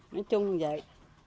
nói chung vậy